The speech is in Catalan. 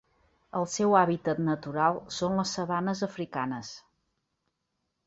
El seu hàbitat natural són les sabanes africanes.